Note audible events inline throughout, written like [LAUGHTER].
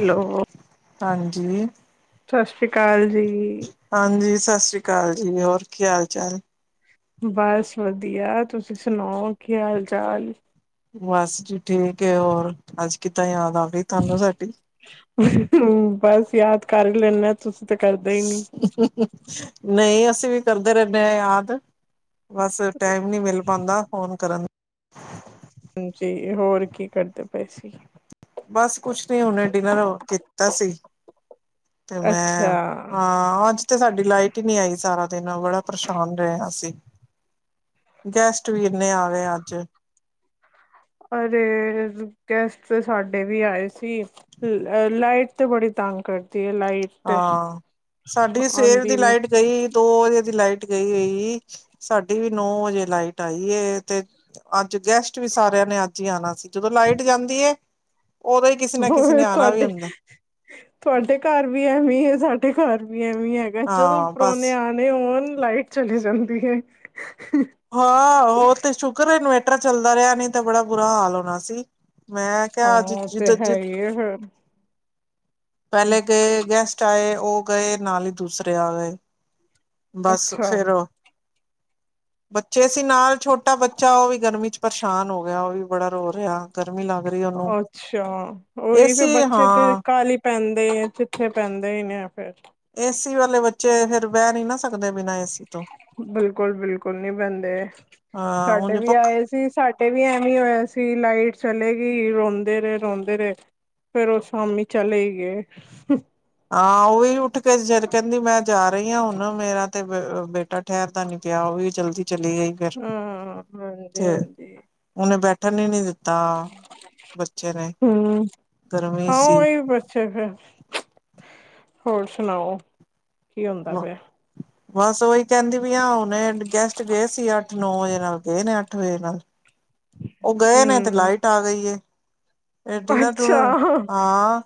Hello. ਹਾਂਜੀ। ਸਤਿ ਸ੍ਰੀ ਅਕਾਲ ਜੀ। ਹਾਂਜੀ ਸਤਿ ਸ੍ਰੀ ਅਕਾਲ ਜੀ ਹੋਰ ਕੀ ਹਾਲ ਚਾਲ ਏ। ਬਸ ਵਧੀਆ ਤੁਸੀਂ ਸੁਣਾਓ ਕੀ ਹਾਲ-ਚਾਲ। ਬਸ ਜੀ। ਠੀਕ ਏ, ਹੋਰ ਅੱਜ ਕੀਤਾ ਆ [INAUDIBLE] ਤਾਨੂੰ ਸਾਡੀ ਹਮ ਬਸ ਯਾਦ ਕਰ ਲੈਂਨਾ ਨਹੀਂ ਅਸੀਂ ਵੀ ਕਰਦੇ ਰਹਿੰਨੇ ਆ ਯਾਦ ਬਸ ਟੈਮ ਨੀ ਮਿਲ ਪਾਉਂਦਾ ਫੋਨ ਕਰਨ ਬੈਸ ਹੀ ਬਸ ਕੁਛ ਨੀ ਹੁਨੇ ਡਿਨਰ ਕੀਤਾ ਸੀ ਤੇ ਮੈਂ ਅੱਛਾ, ਹਾਂ ਅੱਜ ਤੇ ਸਾਡੀ ਲਾਈਟ ਹੀ ਨੀ ਆਈ ਸਾਰਾ ਦਿਨ ਬੜਾ ਪਰੇਸ਼ਾਨ ਰਹੇ ਆ ਅਸੀਂ ਗੈਸਟ ਵੀ ਇੰਨੇ ਆ ਗਏ ਅੱਜ। ਅਰੇ ਗੈਸਟ ਸਾਡੇ ਤੇ ਵੀ ਆਏ ਸੀ ਲਾਈਟ ਤੇ ਬੜੀ ਤੰਗ ਕਰਦੀ ਹੈ ਲਾਈਟ ਤੇ ਹਾਂ ਸਾਡੀ ਸਵੇਰ ਆਉਂਦੀ ਦੀ ਨੀ। ਲਾਈਟ ਗਈ ਦੋ ਵਜੇ ਦੀ ਲਾਈਟ ਗਈ ਹਈ ਸਾਡੀ ਵੀ ਨੌ ਵਜੇ ਲਾਈਟ ਆਈ ਏ ਤੇ ਅੱ ਗੈਸਟ ਵੀ ਸਾਰਿਆਂ ਨੇ ਅੱਜ ਹੀ ਆਣਾ ਸੀ ਜਦੋਂ ਲਾਈਟ ਜਾਂਦੀ ਏ [UNINTELLIGIBLE] ਤੁਹਾਡੇ ਤੁਹਾਡੇ ਘਰ ਵੀ ਐਵੇ ਈ ਏ ਸਾਡੇ ਘਰ। ਐਵੇ ਹੈਗਾ ਜਦੋਂ ਹਾਂ ਬਸ ਪਰੋਹਣੇ ਆਣੇ ਹੋਣ ਲਾਈਟ ਚਲੀ ਜਾਂਦੀ ਏ ਹਾਂ ਓਹ ਤੇ ਸ਼ੁਕਰ ਏ ਇਨ [INAUDIBLE] ਚੱਲਦਾ ਰਿਹਾ ਨਹੀਂ ਤੇ ਬੜਾ ਬੁਰਾ ਹਾਲ ਹੋਣਾ ਸੀ ਮੈਂ ਹਾਂ, ਕਿਹਾ ਅੱਜ ਉਹ ਤੇ ਜਿਦ ਜਿ ਹੈ ਹੀ ਹੈ ਫਿਰ ਪਹਿਲੇ ਗਏ ਗੈਸਟ ਆਏ ਉਹ ਗਏ ਨਾਲ ਹੀ ਦੂਸਰੇ ਆ ਗਏ। ਬਸ ਅੱਛਾ, ਫੇਰ ਬੱਚੇ ਸੀ ਨਾਲ ਛੋਟਾ ਬੱਚਾ ਉਹ ਵੀ ਗਰਮੀ ਚ ਪਰੇਸ਼ਾਨ ਹੋ ਗਿਆ ਉਹ ਵੀ ਬੜਾ ਰੋ ਰਿਹਾ। ਗਰਮੀ ਲੱਗ ਰਹੀ ਉਹਨੂੰ ਅੱਛਾ ਉਹੀ ਫੇ ਏਸੀ ਬੱਚੇ ਤੇ ਹਾਂ ਕਾਲਹੀ ਪੈਂਦ [INAUDIBLE] ਚਿੱਥੇ ਪੈਂਦੇ ਹੀ ਨੇ ਫੇਰ ਏਸੀ ਵਾਲੇ ਬੱਚੇ ਫੇਰ ਬਹਿ ਨੀ ਨਾ ਸਕਦੇ ਬਿਨਾਂ ਏਸੀ ਤੋਂ ਬਿਲਕੁਲ ਬਿਲਕੁਲ ਨਹੀਂ ਬਹਿੰਦੇ ਹਾਂ ਸਾਡੇ ਉਝ ਵੀ ਪੱਖ ਆਏ ਸੀ ਸਾਡ ਏ ਵੀ ਐਵੇਂ ਹੋਇਆ ਸੀ ਲਾਈਟ ਚਲੇ ਗਈ ਰੋਂਦੇ ਰਹੇ ਰੋਂਦੇ ਰਹੇ ਫੇਰ ਉਹ ਸ਼ਾਮੀ ਚਲੇ ਹੀ ਗਏ। ਆਹ ਉਹੀ ਉਠ [UNINTELLIGIBLE] ਕਹਿੰਦੀ ਮੈਂ ਜਾ ਰਹੀ ਹਾਂ ਹੁਣ ਮੇਰਾ ਤੇ ਬੇਟਾ ਠਹਿਰਦਾ ਨੀ ਪਿਆ ਉਹ ਵੀ ਜਲਦੀ। ਚਲੀ ਗਈ ਫਿਰ ਹਸ ਹਾਂਜੀ ਹਾਂਜੀ ਓਠਨ ਹੀ ਨੀ ਦਿ ਤਾਂ ਬੱਚੇ ਨੇ ਹੂੰ ਗਰਮੀ ਹਾਂ ਸੀ। ਉਹੀ ਬੱਚੇ ਫੇਰ ਹੋਰ ਸੁਣਾਓ ਕੀ ਹੁੰਦਾ ਪਿਆ? ਬਸ ਉਓਹੀ ਕਹਿੰਦੀ ਵੀ ਆ ਹੁਣ ਗੈਸਟ ਗਏ ਸੀ ਅੱਠ ਨੌ ਵਜੇ ਨਾਲ ਗਏ ਨੇ ਅੱਠ ਵਜੇ ਨਾਲ। ਉਹ ਗਏ ਨੇ ਤੇ ਹੂੰ ਲਾਈਟ ਆ ਗਈ ਏ। ਡੀਨਰ ਅੱਛਾ, ਡੂਨਰ ਹਾਂ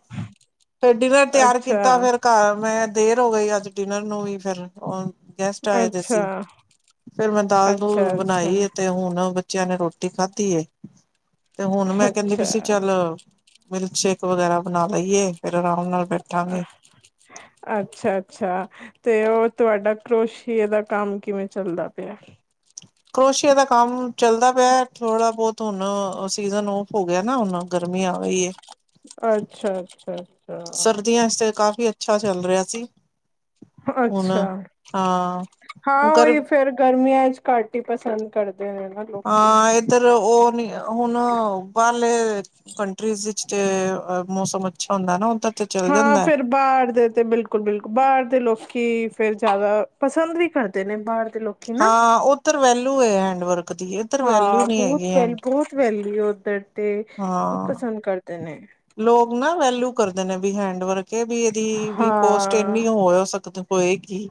ਫੇਰ ਡਿਨਰ ਤਿਆਰ ਅੱਛਾ, ਕੀਤਾ ਫੇਰ ਘਰ ਮੈਂ ਦੇਰ ਹੋ ਗਈ ਅੱਜ ਡਿਨਰ ਨੂੰ ਵੀ ਫਿਰ ਉਹ ਗੈਸਟ ਆਏ ਦੇ ਅੱਛਾ, ਸੀ ਫੇਰ ਮੈਂ ਦਾਲ ਅੱਛਾ, ਦੁਲ ਅੱਛਾ, ਬਣਾਈ ਤੇ ਹੁਣ ਬੱਚਿਆਂ ਨੇ ਰੋਟੀ ਖਾਧੀਏ। ਤੇ ਹੁਣ ਮੈਂ ਕਹਿੰਦੀ ਵੀ ਸੀ ਅੱਛਾ। ਚੱਲ ਮਿਲਕ ਸ਼ੇਕ ਵਗੈਰਾ ਬਣਾ ਲਈਏ ਫੇਰ ਅਰਾਮ ਨਾਲ ਬੈਠਾਂਗੇ ਅੱਛਾ-ਅੱਛਾ। ਤੇ ਉਹ ਤੁਹਾਡਾ ਕਰੋਸ਼ੀਏ ਦਾ ਕੰਮ ਕਿਵੇਂ ਚੱਲਦਾ ਪਿਆ ਹੇ। ਕਰੋਸ਼ੀਏ ਦਾ ਕੰਮ ਚੱਲਦਾ ਪਿਆ ਥੋੜਾ ਬਹੁਤ ਹੁਣ ਸੀਜਨ ਆਫ ਗਿਆ ਨਾ ਹੁਣ ਗਰਮੀ ਆ ਗਈ ਹੈ ਅੱਛਾ-ਅੱਛਾ-ਅੱਛਾ। ਵੀ ਅੱਛਾ ਚੱਲ ਰਿਹਾ ਸੀ। ਹੁਣ ਅੱਛਾ ਹਾਂ ਹਾਂ ਕਰ ਉਹੀ ਫੇਰ ਗਰਮੀਆਂ ਚ ਘਟ ਹੀ ਪਸੰਦ ਕਰਦੇ ਨੇ ਨਾ ਲੋਕੀ। ਹਾਂ ਇੱਧਰ ਉਹ ਹੁਣ ਬਾਹਰਲੇ ਕੰਟਰੀ ਵਿੱਚ ਚ ਮੌਸਮ ਅੱਛਾ ਹੁੰਦਾ ਨਾ ਉਦਰ ਹਾਂ ਫਿਰ ਬਾਹਰ ਦੇ ਤੇ ਬਿਲਕੁਲ-ਬਿਲਕੁਲ ਬਾਹਰ ਦੇ ਲੋਕੀ ਫੇਰ ਜ਼ਿਆਦਾ ਪਸੰਦ ਵੀ ਕਰਦੇ ਨੇ ਬਾਹਰ ਤੇ ਲੋਕੀ ਨਾ ਹਾਂ ਉੱਧਰ ਵੈਲੂ ਏ ਹੈਂਡਵਰਕ ਹਾਂ ਬਹੁਤ ਵੈਲ ਬਹੁਤ ਵੈਲਯੂ ਉੱਧਰ। ਤੇ ਬਹੁਤ ਹਾਂ ਪਸੰਦ ਕਰਦੇ ਨੇ। ਲੋਕ ਨਾ ਵੈਲਯੂ ਕਰਦੇ ਨੇ ਵੀ ਹੈਂਡਵਰਕ ਵੀ ਇਹਦੀ ਵੀ ਕੋਸਟ ਇੰਨੀ ਹੋ ਸਕ ਹੋਏਗੀ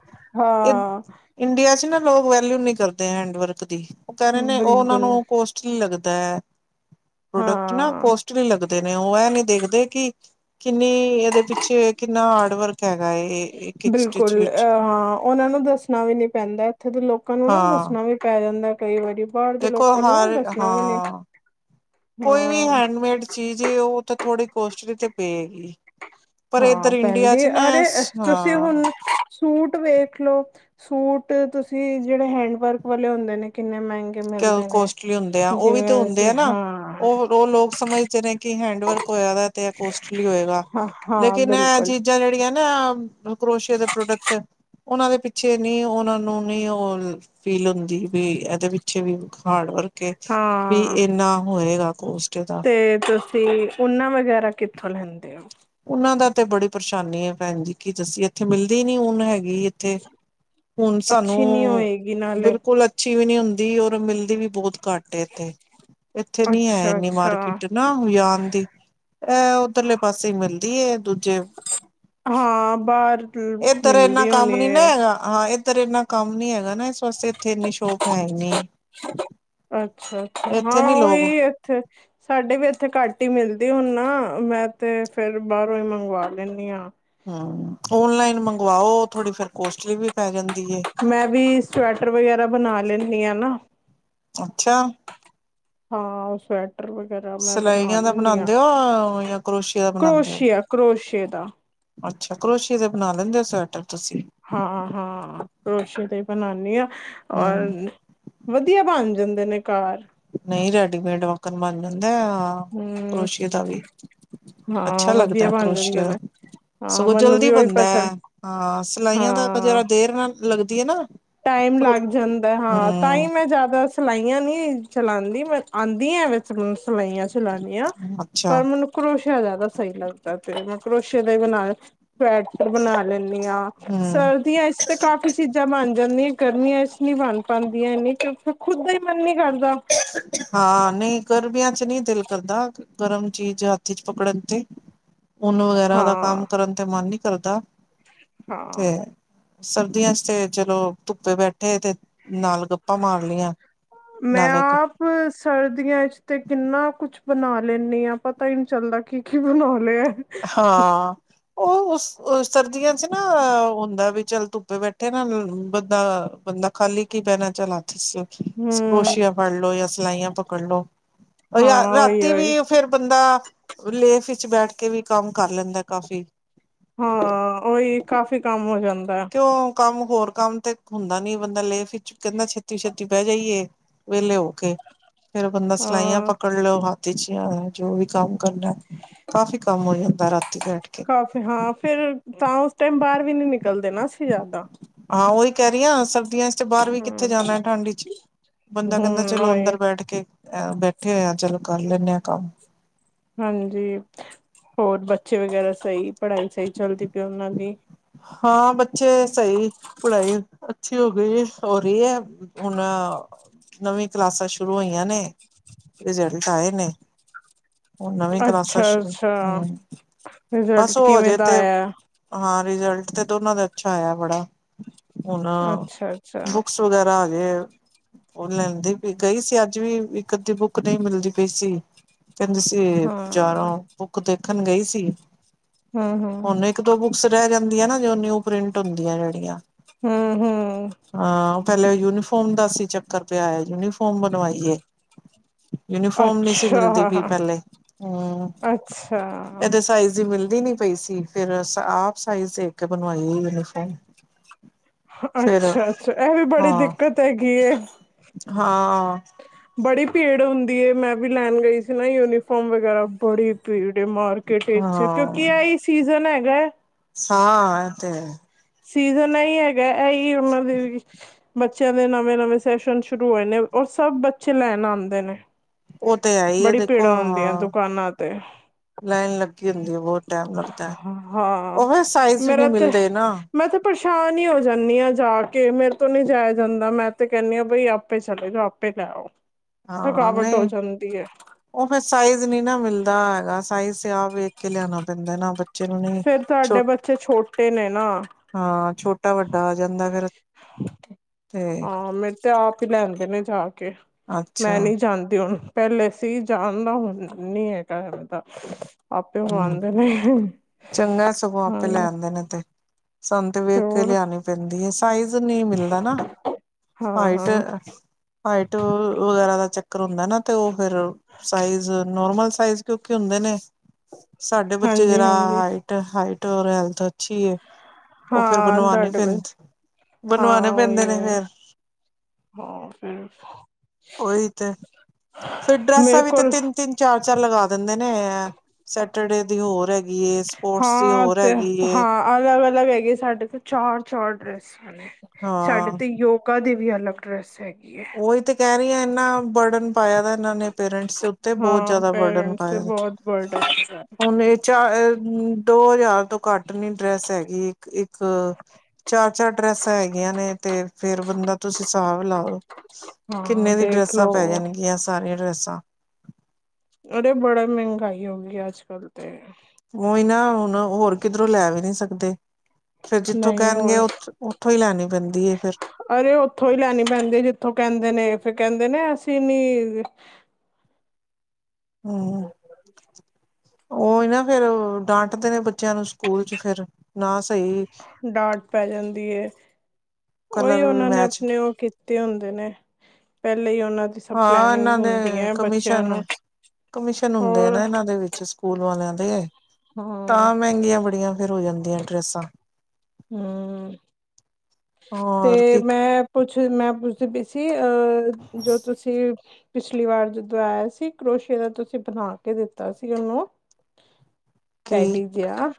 ਇਹ ਹਾਂ-ਹਾਂ ਇੰਡੀਆ ਚ ਨਾ ਲੋਕ ਵੈਲਿਊ ਨੀ ਕਰਦੇ ਹੈਂਡਵਰਕ ਦੀ ਉਹ ਕਹਿ ਰਹੇ ਨੇ ਉਹ ਉਹ ਬਿਲਕੁਲ ਨੂੰ ਕੋਸਟਲੀ ਲੱਗ ਕੁਤਾ [UNINTELLIGIBLE] ਪ੍ਰੋਡਕਟ ਨਾ ਹਾਂ। ਕੋਸਟਲੀ ਲੱਗਦੇ ਨੇ। ਔ ਏ ਨਹੀਂ ਦੇਖਦੇ, ਕਿ ਕਿੰਨੀ, ਇਹਦੇ ਪਿੱਛੇ ਕਿੰਨਾ ਹਾਰਡ ਵਰਕ ਹੈਗਾ ਇੱਕ ਇੱਕ ਸਟਿਚ ਬਿਲਕੁਲ ਵਿੱਚ ਅਹ ਹਾਂ ਉਹਨਾਂ ਨੂੰ ਦੱਸਣਾ ਵੀ ਨੀ ਪੈਂਦਾ, ਇੱਥੇ ਤੇ ਲੋਕਾਂ ਨੂੰ ਨਾ ਹਾਂ ਦੱਸਣਾ ਵੀ ਪੈ ਜਾਂਦਾ। ਕਈ ਵਾਰੀ, ਬਾਹਰ ਦੇ ਦੇਖੋ ਲੋਕਾਂ ਨੂੰ ਹਰ ਦੱਸਣਾ ਵੀ ਨੀ ਹਾਂ, ਕੋਈ ਵੀ ਹਾਂ ਹੈਂਡਮੇਡ ਚਿ ਚੀਜ਼, ਉਹ ਤਾਂ ਥੋੜੀ ਕੋਸਟਲੀ ਤੇ ਪਏ ਹਾਂ ਪੈਂਦੀ ਨਾ ਅਰੇ, ਤੁਸੀਂ ਹੁਣ ਹਾਂ ਸੂਟ ਵੇਖ ਲਓ। ਸੂਟ ਤੁਸੀਂ, ਜਿਹੜੇ ਹੈਂਡ ਵਰਕ ਵਾਲੇ ਹੁੰਦੇ ਨੇ ਕਿੰਨੇ ਮਹਿੰਗ ਕੋਸਟਲੀ ਹੁੰਦੇ ਆ ਉਹ ਵੀ ਤੇ ਹੁੰਦੇ ਅਸੀਂ ਆ ਨਾ, ਹਾਂ ਉਹ ਲੋਕ ਸਮਝਦੇ ਨੇ ਕਿ ਹੈ ਵਰਕ ਹੋਇਆ ਤੇ ਕੋਸਟਲੀ ਹੋਏਗਾ, ਹਾਂ ਹਾਂ ਲੇਕਿਨ ਇਹ ਬਿਲਕੁਲ ਚੀਜ਼ਾਂ ਜਿਹੜੀਆਂ ਨਾ ਕਰੋਸ਼ੇ ਦੇ ਪ੍ਰੋਡਕਟ ਉਹਨਾਂ ਦੇ ਪਿੱਛੇ ਨੀ ਉਹਨਾਂ ਨੂੰ ਨੀ ਉਹ ਫੀਲ ਹੁੰਦੀ ਵੀ ਇਹਦੇ ਵਿੱਚ ਪਿੱਛੇ ਵੀ ਹਾਰਡ ਵਰਕ ਕੇ ਵੀ ਹਾਂ ਇਨਾ ਹੋਏਗਾ, ਕੋਸਟ ਦਾ ਅਤੇ ਉਹਨਾਂ ਵਗੈਰਾ ਕਿੱਥੋਂ ਲੈਂਦੇ ਹੋ। ਉਹਨਾਂ ਦਾ ਤੇ ਬੜੀ ਪਰੇਸ਼ਾਨੀ ਹੈ, ਭੈਣ ਜੀ ਕੀ ਦੱਸੀ ਐ ਇੱਥੇ ਮਿਲਦੀ ਨੀ ਹੁਣ ਹੈ ਇੱਥੇ, ਹੁਣ ਅੱਛੀ ਨੀ ਸਾਨੂੰ ਹੋਏਗੀ ਨਾਲੇ ਬਿਲਕੁਲ ਅੱਛੀ ਐ ਨੀ ਹੁੰਦੀ ਔਰ ਮਿਲਦੀ ਵੀ ਬਹੁਤ ਘੱਟ ਇੱਥੇ ਇੱਥੇ ਨੀ ਹੈ ਅੱਛਾ ਇੰਨੀ ਅੱਛਾ ਮਾਰਕੀਟ ਨਾ ਹੁਜਾਨ ਦੀ ਇਹ ਉੱਧਰਲੇ ਪਾਸੇ ਸੀ ਮਿਲਦੀ ਹੈ ਦੂਜੇ, ਹਾਂ ਬਾਹਰ ਲ- ਏਧਰ ਇਨਾ ਮਿਲਦੀ ਕੰਮ ਹੋਣੀ ਨੀ ਨਾ ਹੈ ਹੈਗਾ ਹਾਂ ਇਧਰ ਇੰਨਾ ਕੰਮ ਨੀ ਹੈਗਾ। ਨਾ ਇਸ ਵਾਸਤੇ ਇਥੇ ਇਨੀ ਸ਼ੋਪ ਹੈਨੀ ਅੱਛਾ ਅੱਛਾ ਹਾਂ ਨੀ ਲੋਕ ਉਹੀ ਇੱਥੇ, ਸਾਡੇ ਵੀ ਇੱਥੇ ਘੱਟ ਹੀ ਮਿਲਦੇ ਹੁਣ ਨਾ ਮੈਂ ਤੇ ਫੇਰ ਬਾਹਰੋਂ ਹੀ ਮੰਗਵਾ ਲੈਂਨੀ ਹਾਂ। ਔਨਲਾਈਨ ਮੰਗ ਵਾਓ ਥੋੜ੍ਹੀ ਫੇਰ ਕੋਸਟਲੀ ਵੀ ਪੈ ਜਾਂਦੀ ਹੇ। ਲੈਂਨੀ ਆ ਨਾ ਅੱਛਾ, ਹਾਂ ਇਸ ਵਾਰ, ਟਰ ਵਗੈਰਾ ਮੈਂ ਬਣਾ ਸਿਲਾਈਆਂ ਦਾ ਲੈਂਨੀ ਹਾਂ, ਬਣਾਉਂਦੇ ਹੋ ਜਾਂ ਕਰੋਸ਼ੀਆ ਦਾ ਬਣਾਉਂਦੇ ਹੋ ਕਰੋਸ਼ੀਆ ਕਰੋਸ਼ੀਏ ਦਾ। ਅੱਛਾ ਕਰੋਸ਼ੀ ਦੇ ਬਣਾ ਲੈਂਦੇ ਹੋ ਸਵੈਟਰ ਤੁਸੀਂ। ਹਾਂ ਹਾਂ ਕਰੋਸ਼ੀ ਦੇ ਹੀ ਬਣਾਉਾਨਣੀ ਹਾਂ। ਹਮ ਔਰ ਵਧੀਆ ਬਣ ਜਾਂਦ ਦਿਨਕਾਰ [UNINTELLIGIBLE] ਨਹੀਂ ਰੈਡੀਮੇਡ ਵਕਨ ਹਮ ਕਰੋਸ਼ੀਆਂ ਦਾ ਵੀ ਹਾਂ ਅੱਛਾ ਵਧੀਆ ਲੱਗਦਾ ਬਣ ਜਾਂਦੇ ਕਰੋਸ਼ੀਆਂ ਨੇ ਹਾਂ ਸੋ ਮੈਨੂੰ ਜਲਦੀ ਵੀ ਉਹੀ ਬੰਦਾ ਪਸੰਦ ਸਿਲਾਈਆਂ ਦਾ ਹਾਂ ਜਿਹੜਾ ਦੇਰ ਨਾਲ ਤੇ ਨਾ ਟਾਈਮ ਲੱਗ ਜਾਂਦਾ ਹਾਂ ਤਾਂ ਹੀ ਹਮ ਮੈਂ ਜ਼ਿਆਦਾ ਸਿਲਾਈਆਂ ਨੀ ਚਲਾਉਂਦੀ ਮੈਂ ਆਉਂਦੀ ਆ ਵਿੱਚ ਸਲਾਈਆਂ ਚਲਾਉਣੀਆਂ ਪਰ ਅੱਛਾ ਮੈਨੂੰ ਕਰੋਸ਼ ਜ਼ਿਆਦਾ ਸਹੀ ਲੱਗਦਾ ਤੇ ਕਰੋਸ਼ੀਆਂ ਦੇ ਬਣਾ ਸਵੈਟਰ ਬਣਾ ਲੈਂਦੀ ਹਾਂ ਹਮ ਸਰਦੀਆਂ ਵਿਚ ਤੇ ਕਾਫ਼ੀ ਚੀਜ਼ਾਂ ਬਣਦੀ [UNINTELLIGIBLE] ਗਰਮੀਆਂ ਇਚ ਨੀ ਬਣ ਪਾਉਂਦੀਆਂ ਇੰਨੀ ਚੁੱਬ ਖੁਦ ਦਾ ਹੀ ਮਨ ਨੀ ਕਰਦ ਹਾਂ ਨਹੀਂ ਗਰਮੀਆਂ ਚ ਨਹੀਂ ਦਿਲ ਕਰਦਾ ਗਰਮ ਚੀਜ਼ ਹੱਥ ਵਿਚ ਪਕੜਨ ਤੇ ਉਨ ਵਗੈਰਾ ਦਾ ਹਾਂ ਕੰਮ ਕਰਨ ਤੇ ਮਨ ਨਹੀਂ ਧਰਦਾ ਹਾਂ ਸਰਦੀਆਂ ਚ ਤੇ ਚਲੋ ਧੁੱਪੇ ਬੈਠੇ ਤੇ ਨਾਲ ਗੱਪਾ ਮਾਰ ਲੀਆਂ ਮੈਂ ਆਪ ਸਰਦੀਆਂ ਚ ਤੇ ਕਿੰਨਾ ਕੁਛ ਬਣਾ ਲੈਂਨੀ ਹਾਂ, ਪਤਾ ਹੀ ਨਹੀਂ ਚੱਲਦਾ ਕੀ ਕੀ ਬਣਾ ਲਿਆ ਹਾਂ ਉਹ ਉਸ ਉਹ ਸਰਦੀਆਂ ਚ ਨਾ ਓ ਹੁੰਦਾ ਵੀ ਚੱਲ ਧੁੱਪੇ ਬੈਠੇ ਨਾ ਬੰਦਾ ਬੰਦਾ ਖਾਲੀ ਕੀ ਬਹਨਾ ਚਲਾ ਹਮ ਕਰੋਸ਼ੀਆ ਫੜ ਲੋ ਜਾਂ ਸਿਲਾਈਆਂ ਪਕੜ ਲੋ, ਯ ਹਾਂ ਉਹੀ ਰਾਤੀ ਉਹੀ ਵੀ ਫੇਰ ਬੰਦਾ ਲੇਖ ਵਿੱਚ ਬੈਠ ਏ ਵੀ ਕੰਮ ਕਰ ਲੈਂਦੇ ਕਾਫ਼ੀ। ਹਾਂ ਉਹੀ ਕਾਫ਼ੀ ਕੰਮ ਹੋ ਜਾਂਦਾ ਹੈ। ਕਿਉਂ ਕੰਮ ਹੋਰ ਕੰਮ ਤੇ ਹੁੰਦਾ ਨੀ ਬੰਦਾ ਲੈਫ ਕਹਿੰਦਾ ਛੇਤੀ ਛੇਤੀ ਬਹਿ ਜਾਈਏ ਵੇਲੇ ਓਕ ਤੇ ਫੇਰ ਬੰਦਾ ਸਿਲਾਈਆਂ ਹਾਂ ਪਕੜ ਲਓ ਹ [UNINTELLIGIBLE] ਜੋ ਵੀ ਕੰਮ ਕਰਨਾ ਕਾਫੀ ਕੰਮ ਹੋ ਜਾਂਦਾ ਰਾਤੀ ਬੈਠ ਕੇ ਕਾਫੀ ਹਾਂ ਫਿਰ ਤਾਂ ਉਸ ਟਾਈਮ ਬਾਹਰ ਵੀ ਨੀ ਨਿਕ ਹਾਂ ਉਹੀ ਕਹਿ ਰਹੀ ਹ ਸਰਦੀਆਂ ਚ ਤੇ ਬਾਹਰ ਵੀ ਕਿੱਥੇ ਹਮ ਜਾਣਾ ਠੰਡ ਚ, ਬੰਦਾ ਕਹਿੰਦਾ ਹਮ ਚਲੋ ਉਹੀ ਅੰਦਰ ਬੈਠ ਕੇ ਅ ਬੈਠ ਆ ਚਲੋ ਕਰ ਲੈਂਦੇ ਹਾਂ ਕੰਮ ਹਾਂਜੀ, ਹੋਰ ਬੱਚੇ ਵਗੈਰਾ ਸਹੀ ਪੜ੍ਹਾਈ ਸਹੀ ਚੱਲਦੀ ਪਈ ਉਹਨਾਂ ਦੀ। ਹਾਂ ਬ ਜੇ ਸਹੀ ਪੜ੍ਹਾਈ [UNINTELLIGIBLE] ਹੋ ਰਹੀ ਹੈ। ਹੁਣ ਨਵੀਂ ਕਲਾਸਾਂ ਸ਼ੁਰੂ ਹੋਈਆਂ ਨੇ ਰਿਜ਼ਲਟ ਆਏ ਨੇ। ਹੁਣ ਨਵੀਂ ਕਲਾਸਾਂ ਸ਼ੁਰੂ ਅੱਛਾ-ਅੱਛਾ ਹਮ ਬਸ ਰਿਜ਼ਲਟ ਉਹ ਕਿਵੇਂ ਹਜੇ ਦਾ ਤੇ ਆਇਆ। ਹਾਂ ਰਿਜ਼ਲਟ ਤੇ ਦੋਨਾਂ ਦਾ ਅੱਛਾ ਆਇਆ ਬੜਾ ਹੁਣ ਅੱਛਾ ਅੱਛਾ ਬੁੱਕਸ ਵਗੈਰਾ ਹਜੇ ਉਹ ਲੈਂਦੀ ਭੀ ਗਈ ਸੀ ਅੱਜ ਵੀ, ਇੱਕ ਅੱਧੀ ਬੁੱਕ ਨਹੀਂ ਮਿਲਦੀ ਪਈ ਸੀ। ਕਹਿੰਦੀ ਸੀ ਜਾ ਹਾਂ ਰਾ ਹੂੰ ਬੁੱਕ ਤੇ ਰੱਖਣ ਗਈ ਸੀ। ਹੁੰ-ਹੁੰ ਹੁਣ [INAUDIBLE] ਇੱਕ ਦੋ ਬੁੱਕਸ ਰਹਿ ਜਾਂਦੀਆਂ ਨਾ, ਜੋ ਨਿਊ ਪ੍ਰਿੰਟ ਹੁੰਦੀਐਂ ਜਿਹੜੀਆਂ ਹੂੰ ਹੂੰ। ਹਾਂ ਪਹਿਲੇ ਯੂਨੀਫੋਮ ਦਾ ਸੀ ਚੱਕਰ ਪਿਆ ਹੋਇਆ, ਯੂਨੀਫੋਮ ਬਣਵਾਈ ਏ। ਯੂਨੀਫੋਮ ਨੀ ਸੀ ਮਿਲਦੀ ਅੱਛਾ ਪਈ ਪਹਿਲੇ, ਹੰ। ਅੱਛਾ ਇਹਦੇ ਸਾਈਜ਼ ਹੀ ਮਿਲ ਦੀ ਨਹੀਂ ਪਈ ਸੀ। ਫਿਰ ਸ ਆਪ ਸਾਈਜ਼ ਦੇ ਕੇ ਬਣਵਾਈ ਯੂਨੀਫੋਮ ਫਿਰ ਅੱਛਾ-ਅੱਛਾ ਇਹ ਵੀ ਬੜੀ ਹਾਂ ਦਿੱਕਤ ਹੈਗੀ ਏ। ਹਾਂ। ਬੜੀ ਭੀੜ ਹੁੰਦੀ ਏ। ਮੈਂ ਵੀ ਲੈਣ ਗਈ ਸੀ ਨਾ ਯੂਨੀਫੋਮ ਵਗੈਰਾ ਬੜੀ ਭੀੜ ਤੇ ਮਾਰਕੀਟ ਵਿੱਚ ਹਾਂ ਕਿਉਂਕਿ ਐ ਈ ਸੀਜਨ ਐ ਫੇਰ ਹਾਂ, ਐ ਤੇ ਹੈ। ਸੀਜ਼ਨ ਇਹੀ ਹੈਗਾ। ਇਹੀ ਉਹਨਾਂ ਦੇ ਬੱਚਿਆਂ ਦੇ ਨਵੇਂ-ਨਵੇਂ ਸੈਸ਼ਨ ਸ਼ੁਰੂ ਹੋਏ ਨੇ ਔਰ ਸਭ ਬੱਚੇ ਲੈਣ ਆਂਦੇ ਨੇ। ਉਹ ਤੇ ਹੈ ਈ ਏ ਬੜੀ ਦੇਖੋ ਭੀੜਾਂ ਹੁੰਦੀਆਂ ਹਾਂ। ਦੁਕਾਨਾਂ ਤੇ ਲਾਈਨ ਲੱਗ ਗਿਣਦੇ ਬਹੁਤ ਟਾਈਮ ਲੱਗਦਾ, ਹਾਂ ਉਵੇਂ ਸਾਈਜ਼ ਵੀ ਨੀ ਮੇਰਾ ਤੇ ਮਿਲਦੇ ਨਾ। ਮੈਂ ਤੇ ਪਰੇਸ਼ਾਨ ਹੀ ਹੋ ਜਾਨੀ ਆ ਜਾ ਕੇ, ਮੇਰੇ ਤੋਂ ਨਹੀਂ ਜਾਇਆ ਜਾਂਦਾ। ਮੈਂ ਤੇ ਕਹਿੰਦੀ ਆ ਬਈ ਆਪੇ ਚਲੇ ਜਾਓ ਆਪੇ ਲੈ ਆਓ। ਹਾਂ ਥਕਾਵਟ ਹੋ ਨਹੀਂ ਜਾਂਦੀ ਹੈ ਉਹ ਫਿਰ ਸਾਈਜ਼ ਨਹੀ ਨਾ ਮਿਲਦਾ ਹੈਗਾ ਸਾਈਜ਼ ਤੇ ਆਪ ਵੇਖ ਕੇ ਲਿਆਨਾ ਪੈਂਦਾ ਨਾ ਬੱ ਫੇਰ ਤੁਹਾਡੇ ਬੱਚੇ ਛੋਟੇ ਨੇ ਨਾ। ਹਾਂ ਛੋਟਾ ਵੱਡਾ ਆ ਜਾਂਦਾ ਫਿਰ ਤੇ ਐ ਆਪ ਹੀ ਲੈਂ ਆਂਦੇ ਨੇ ਜਾਕ ਮੈਂ ਅੱਛਾ ਨਹੀਂ ਜਾਂਦੀ ਹੁਣ। ਪਹਿਲੇ ਸੀ ਜਾਣਦਾ ਹੁਣ ਨਹੀ ਹੇਗਾ [INAUDIBLE] ਦ ਆਪੇ ਉਹ ਹੂੰ ਆਂਦੇ ਨੇ ਚੰਗਾ ਸਗੋਂ ਆਪੇ ਲੈ [INAUDIBLE] ਆਂਦੇ ਨੇ ਤੇ ਸਾਨੂੰ ਤੇ ਵੇਖ ਕੇ ਲਿਆਨੀ ਪੈਂਦੀ ਏ ਸ ਸਾਈਜ਼ ਨਹੀਂ ਮਿਲਦਾ ਨਾ। ਹਾਈਟ ਹਾਂ ਹਾਈਟ ਵਗੈਰਾ ਦਾ ਚੱਕ ਹੁੰਦਾ ਨਾ ਤੇ ਉਹ ਫਿਰ ਸਾਈਜ਼ ਨੋਰਮਲ ਸਾਈਜ਼ ਕਿਉਂਕਿ ਹੁੰਦੇ ਨੇ। ਸਾਡੇ ਬੱਚੇ ਹਾਂਜੀ ਜਿਹੜਾ ਹਾਂਜੀ ਹਾਈਟ ਹਾਈ ਔਰ ਹੈਲਥ ਅੱਛੀ ਏ? ਹਾਂ, ਤੁਹਾਡੇ, ਬਣਵਾਣੇ ਹਾਂ ਉਓਹੀ ਪੈਂਦੇ ਨੇ ਫੇਰ ਹਾਂ ਫ ਉਹੀ ਤੇ ਫਿਰ ਡਰੈਸਾਂ ਵੀ ਤਾਂ ਤਿੰਨ ਤਿੰਨ ਚਾਰ ਚਾ ਲਗਾ ਦਿੰਦੇ ਨੇ, ਸੈਟਰਡੇ ਦੀ ਹੋਰ ਹੈਗ ਹਾਂ ਤੇ ਹਾਂ, ਅਲੱਗ ਅਲੱਗ ਹੈਗੇ, ਸਾਡੇ ਤੇ ਚਾਰ ਚਾਰ ਡਰੈਸਾਂ ਨੇ, ਸਾਡੇ ਹਾਂ ਤੇ ਯੋਗਾ ਦੀ ਵੀ ਅਲੱਗ ਡਰੈੱਸ ਹੈਗੀ ਹੈ ਉਹੀ ਤੇ ਕਹਿ ਰਹੀ ਆ, ਐਨਾਂ ਬਰਡਨ ਪਾਇਆ ਦਾ ਇਹਨਾਂ ਨੇ ਪੇਰੈਂਟਸ ਦੇ ਉੱਤੇ ਬਹੁਤ ਹਾਂ ਜਿਆਦਾ ਵਰਡਨ ਪੇਰੈਂਟਸ ਤੇ ਪਾਇਆ, ਬਹੁਤ ਬਰਡਨ ਹੈ ਹੁਣ ਇਹ ਚਾਰ ਦੋ ਹਜ਼ਾਰ ਤੋਂ ਘੱਟ ਕਟਨੀ ਡਰੈਸ ਹੈਗੀ ਇੱਕ ਇੱਕ, ਚਾਰ ਚਾਰ ਡਰੈਸਾਂ ਹੈਗੀਆਂ ਨੇ ਤੇ ਫੇਰ ਬੰਦਾ ਤੁਸੀਂ ਹਿਸਾਬ ਲਾਓ ਹਾਂ ਕਿੰਨੇ ਦੀ ਡਰੈਸਾਂ ਪੈ ਦੇਖਲੋ ਜਾਣਗੀਆਂ ਸਾਰੀਆਂ ਡਰੈਸਾਂ? ਅਰੇ ਬੜਾ ਮਹਿੰਗਾਈ ਹੋ ਗਈ ਅੱਜ ਕੱਲ ਤੇ। ਉਹੀ ਨਾ ਹੁਣ ਉਹ ਹੋਰ ਕਿਧਰ ਲੈ ਵੀ ਨੀ ਸਕਦੇ ਫੇਰ ਜਿੱਥੋਂ ਨਹੀਂ ਕਹਿਣਗੇ ਹੋਰ ਉੱਥੋਂ ਹੀ ਲੈਣੀ ਪੈਂਦੀ ਹੈ ਫਿਰ। ਅਰੇ ਉੱਥੋਂ ਹੀ ਲੈਣੀ ਪੈਂਦੀ ਜਿੱਥੋਂ ਕਹਿੰਦੇ ਨੇ ਫਿਰ ਕਹਿੰਦੇ ਨੇ ਅਸੀਂ ਨੀ ਹਮਮ। ਉਹਹੀ ਨਾ ਫੇਿਰ ਡਾਂਟਦੇ ਨੇ ਬੱਚਿਆਂ ਨੂੰ ਸਕੂਲ ਚ ਫੇਰ ਨਾ ਸਹੀ ਡਾਟ ਪੈ ਜਾਂਦੀ ਐ। ਉਹੀ ਕਲਰ ਵੀ ਉਹਨਾਂ ਨੇ ਮੈਚ ਆਪਣੇ ਉਹ ਕੀ ਤੇ ਹੁੰਦੇ ਨੇ, ਪਹਿਲੇ ਹੀ ਉਹਨਾਂ ਦੀ ਸਭ ਹਾਂ ਪਲਨਿੰਗ ਇਹਨਾਂ ਦੇ ਹੁੰਦੀ ਹੈ ਬੱਚਿਆਂ ਕਮਿਸ਼ਨ, ਨੂੰ ਕਮਿਸ਼ਨ ਹੁੰਦੇ ਆ ਹੋਰ ਨਾ ਇਹਨਾਂ ਦੇ ਵਿੱਚ ਸਕੂਲ ਵਾਲਿਆਂ ਦ [UNINTELLIGIBLE] ਹਾਂ ਤਾਂ ਮਹਿੰਗੀਆਂ ਬੜੀਆਂ ਫਿਰ ਹੋ ਜਾਂਦੀਆਂ ਡਰੈਸਾਂ ਹਮਮ। ਹੋਰ ਤੇ ਕੀ ਮੈਂ ਪੁੱਛ ਮੈਂ ਪੁਛ [UNINTELLIGIBLE] ਅਹ ਜੋ ਤੁਸੀਂ ਪਿਛਲੀ ਵਾਰ ਜਦੋਂ ਆਇਆ ਸੀ, ਕਰੋਸ਼ੇ ਦਾ ਤੁਸੀਂ ਬਣਾ ਕੇ ਦਿੱਤਾ ਸੀ ਉਹਨੂੰ ਕੀ ਟੈਡੀ ਜ ਆ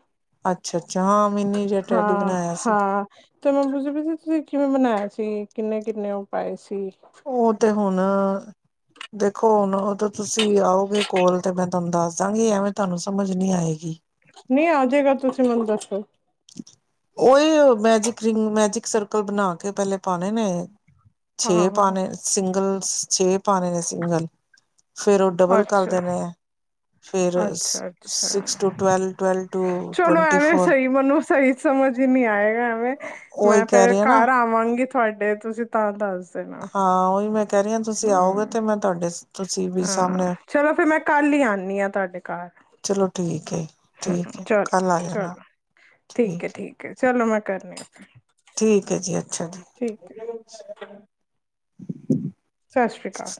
ਅੱਛਾ-ਅੱਛਾ ਹਾਂ, ਮਿੰਨੀ ਜਿਹਾ ਟੈਡੀ ਬਣਾਇਆ ਸੀ। ਹਾਂ ਤੇ ਮੈਂ ਪੁੱਛਦੀ ਪਈ ਸੀ ਤੁਸੀਂ ਕਿਵੇਂ ਬਣਾਇਆ ਸੀ, ਕਿੰਨੇ ਕਿੰਨੇ ਉਹ ਪਾਏ ਸੀ। ਉਹ ਤੇ ਹੁਣ ਦੇਖੋ ਹੁਣ ਉਦੋਂ ਤੁਸੀਂ ਆਓਗੇ ਕੋਲ ਤੇ ਮੈਂ ਤੁਹਾਨੂੰ ਦੱਸ ਦਾਂਗੀ, ਐਵੇਂ ਤੁਹਾਨੂੰ ਸਮਝ ਨੀ ਆਏਗੀ। ਨਹੀਂ ਆਜੇਗਾ, ਤੁਸੀਂ ਮੈਨੂੰ ਦੱਸੋ। ਉਹ ਇਹ ਮੈਜਿਕ ਰਿੰਗ ਮੈਜਿਕ ਸਰਕਲ ਬਣਾ ਕੇ ਪਹਿਲੇ ਪਾਉਣੇ ਨੇ ਹਾਂ ਛੇ ਹਾਂ ਪਾਣੇ ਸਿੰਗਲ ਛੇ ਪਾਣੇ ਨੇ ਸਿੰਗਲ। ਫੇਰ ਉਹ ਡਬਲ ਕਰ ਅੱਛਾ ਦੇਣੇ ਹੈ, ਫਿਰ ਅੱਛਾ ਅੱਛਾ six two twelve twelve two ਚਲੋ ਟਵੰਟੀ ਐਵੇਂ ਫੋਰ। ਸਹੀ ਮੈਨੂੰ ਸਹੀ ਸਮਝ ਹੀ ਨਹੀਂ ਆਏ। ਐਵੇਂ ਉਹੀ ਮੈਂ ਕਹਿ ਫੇਰ ਰਹੀ ਆ ਨਾ ਘਰ ਆਵਾਂਗੀ। ਤੁਹਾਡੇ ਤੁਸੀਂ ਤਾਂ ਦੱਸ ਦੇਣਾ ਹਾਂ ਉਹੀ ਮੈਂ ਕਹਿ ਰਹੀ ਹਾਂ ਤੁਸੀਂ ਆਓਗੇ ਹਮ ਤੇ ਮੈਂ ਤੁਹਾਡੇ ਤੁਸੀਂ ਵੀ ਹਾਂ ਸਾਹਮਣੇ ਚਲੋ ਫਿਰ ਮੈਂ ਕੱਲ ਹੀ ਆਉਂਦੀ ਹਾਂ ਤੁਹਾਡੇ ਘਰ ਚਲੋ ਠੀਕ ਹੈ ਜੀ ਠੀਕ ਹੈ ਚਲੋ ਕੱਲ ਆ ਜਾਨਾ ਚਲੋ ਠੀਕ ਚਲੋ ਮੈਂ ਕਰਨੀ ਆ। ਠੀਕ ਹੈ ਜੀ ਅ ਠੀਕ ਹੈ। ਸਤਿ ਸ੍ਰੀ ਅਕਾਲ।